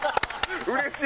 うれしい。